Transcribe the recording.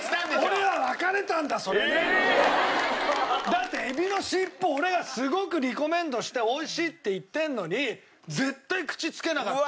だってエビのしっぽ俺がすごくリコメンドして美味しいって言ってるのに絶対口つけなかったの。